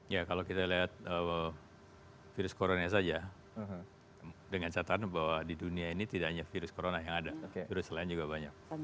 ya kalau kita lihat virus corona saja dengan catatan bahwa di dunia ini tidak hanya virus corona yang ada virus lain juga banyak